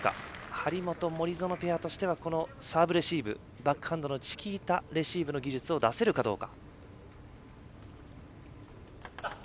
張本、森薗ペアとしてはこのサーブレシーブバックハンドのチキータレシーブの技術を出せるかどうか。